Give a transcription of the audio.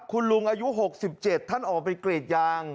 คุณลุงอายุ๖๗ท่านออกไปกรีดยาง